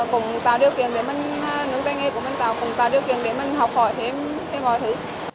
cũng tạo điều kiện để mình học hỏi thêm thêm hỏi thử